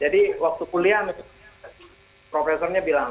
jadi waktu kuliah profesornya bilang